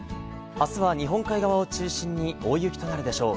明日は日本海側を中心に大雪となるでしょう。